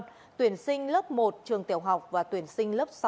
cụ thể tuyển sinh lớp một trường tiểu học và tuyển sinh lớp sáu